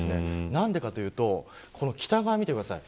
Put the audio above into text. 何でかというと北側を見てください。